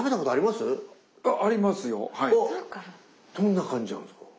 どんな感じなんですか？